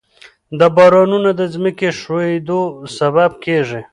دا بارانونه د ځمکې ښویېدو سبب کېږي.